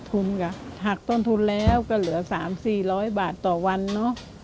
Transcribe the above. ถักต้นแล้วก็เหลือสามสี่ร้อยบาทต่อวันเนอะ